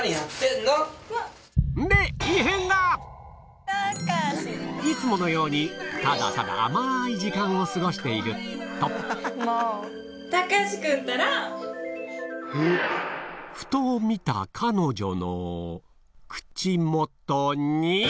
んでいつものようにただただを過ごしているとふと見た彼女の口元に！